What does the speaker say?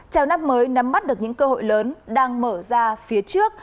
chào năm mới nắm bắt được những cơ hội lớn đang mở ra phía trước